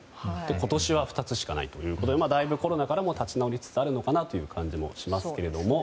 今年は２つしかないということでだいぶコロナからも立ち直りつつあるのかなという感じもしますけれども。